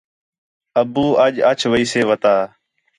ابو اَڄ اِچ ویسے وتا